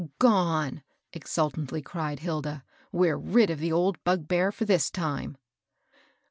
" Gone," exultingly cried Hilda. We're rid of the old bugbear for this time."